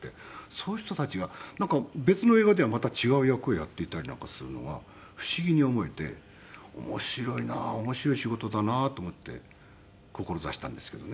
そういう人たちが別の映画ではまた違う役をやっていたりなんかするのが不思議に思えて面白いな面白い仕事だなと思って志したんですけどね。